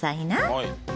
はい。